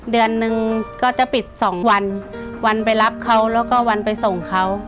เดือนนึงก็จะปิดสองวันวันไปรับเขาแล้วก็วันไปส่งเขา